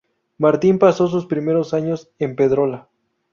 Martín pasó sus primeros años en Pedrola.